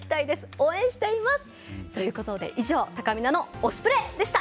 応援しています！ということで以上、たかみなの「推しプレ！」でした！